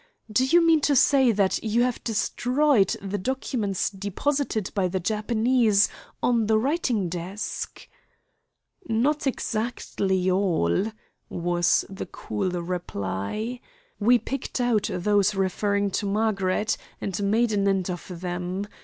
"Do you mean to say that you have destroyed the documents deposited by the Japanese on the writing desk?" "Not exactly all," was the cool reply. "We picked out those referring to Margaret, and made an end of them.